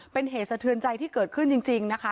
เป็นเหตุสะเทือนใจที่เกิดขึ้นจริงนะคะ